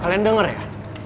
kalian denger ya